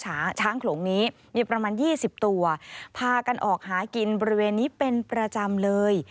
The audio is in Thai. ช้างช้างโขลงนี้มีประมาณ๒๐ตัวพากันออกหากินบริเวณนี้เป็นประจำเลย